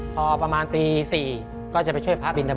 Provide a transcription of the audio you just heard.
พอประมาณตี๔ก็จะไปช่วยพระบินท